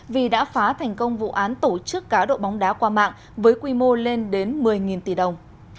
vì đã phá thành công vụ án tổ chức cá độ bóng đá qua mạng với quy mô lên đến một mươi tỷ đồng